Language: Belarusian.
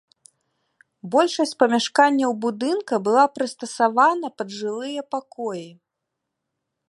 Большасць памяшканняў будынка была прыстасавана пад жылыя пакоі.